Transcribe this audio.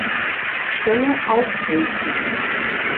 Stelle aufrufen.